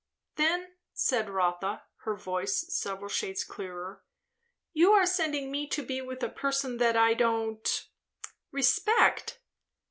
"Then," said Rotha, her voice several shades clearer, "you are sending me to be with a person that I don't respect."